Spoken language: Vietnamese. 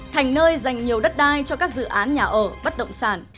thành nơi dành nhiều đất đai cho các dự án nhà ở bất động sản